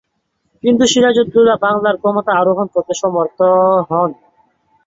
কিন্তু সিরাজউদ্দৌলা বাংলার ক্ষমতা আরোহণ করতে সমর্থ হন।